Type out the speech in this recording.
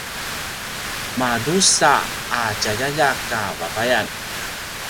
madrusa a tjaljaljak a vavayan